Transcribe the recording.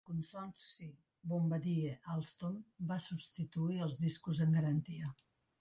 El consorci Bombardier-Alstom va substituir els discos en garantia.